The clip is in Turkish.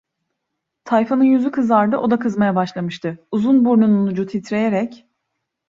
Tayfanın yüzü kızardı, o da kızmaya başlamıştı, uzun burnunun ucu titreyerek: